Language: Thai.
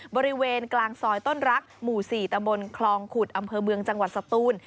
บริเวณกลางซอยต้นรักหมู่๔ตะบนคลองขุดอำเภอเมืองจังหวัดสตูน